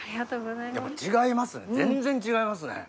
やっぱ違いますね全然違いますね！